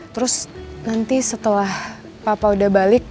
terus nanti setelah papa udah balik